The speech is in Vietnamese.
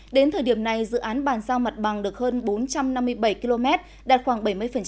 đến thời điểm này dự án bàn giao mặt bằng được hơn bốn trăm năm mươi bảy km đạt khoảng bảy mươi